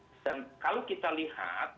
dan kalau kita lihat